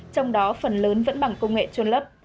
trong đó phần lớn vẫn bằng công nghệ trôn lấp